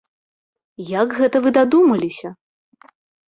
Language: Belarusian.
Як гэта вы дадумаліся?